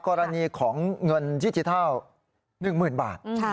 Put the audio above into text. กรณีของเงินดิจิทัล๑๐๐๐บาท